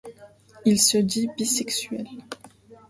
Il se dit bisexuel.